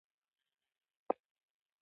ما ویل په مقالو کې د ښکنځلو حقوق خوندي دي.